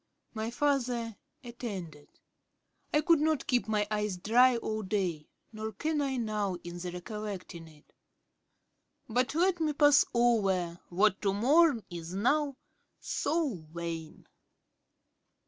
My father attended. I could not keep my eyes dry all day; nor can I now in the recollecting it; but let me pass over what to mourn is now so vain.'